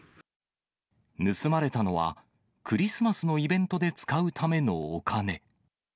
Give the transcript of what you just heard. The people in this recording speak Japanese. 盗まれたのは、クリスマスのイベントで使うためのお金。